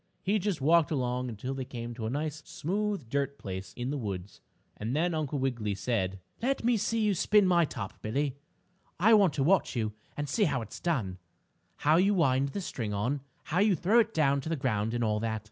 He just walked along until they came to a nice, smooth dirt place in the woods, and then Uncle Wiggily said: "Let me see you spin my top, Billie. I want to watch you and see how it's done how you wind the string on, how you throw it down to the ground and all that.